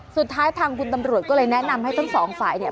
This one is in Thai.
สุดท้ายทางบุญตำรวจก็เลยแนะนำให้ทั้ง๒ฝ่าย